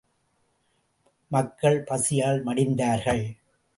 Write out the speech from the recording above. மக்கள் பசியால் மடிந்தார்கள்!